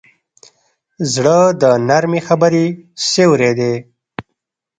زړه د نرمې خبرې سیوری دی.